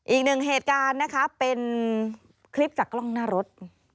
อีกหนึ่งเหตุการณ์นะคะเป็นคลิปจากกล้องหน้ารถ